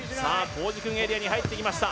コージくんエリアに入ってきました